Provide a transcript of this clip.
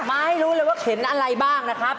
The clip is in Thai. มาให้รู้เลยว่าเข็นอะไรบ้างนะครับ